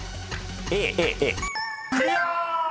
［クリア！］